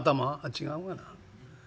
「違うがな。